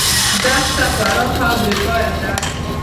دښته پراخه او بې پایه ده.